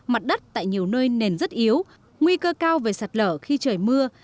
mặt đất tại nhiều nơi nền rất yếu nguy cơ cao về sạt lở khi trời mưa